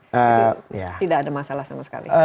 jadi tidak ada masalah sama sekali